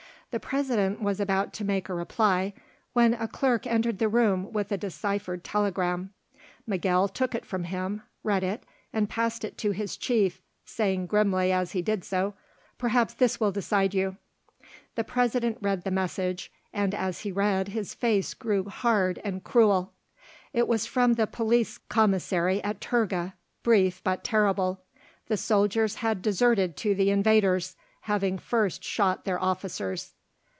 The President was about to make a reply when a clerk entered the room with a deciphered telegram. Miguel took it from him, read it, and passed it to his chief, saying grimly as he did so: "Perhaps this will decide you." The President read the message, and as he read his face grew hard and cruel. It was from the Police Commissary at Turga, brief but terrible; the soldiers had deserted to the invaders, having first shot their officers.